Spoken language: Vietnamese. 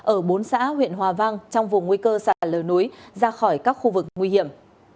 ở bốn xã huyện hòa vang trong vùng nguy cơ sạt lở núi ra khỏi các khu vực nguy hiểm